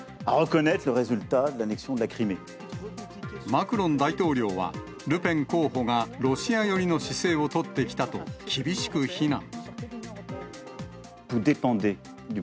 マクロン大統領は、ルペン候補がロシア寄りの姿勢を取ってきたと、厳しく非難。